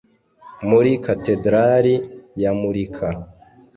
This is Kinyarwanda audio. muri katedrali yamurika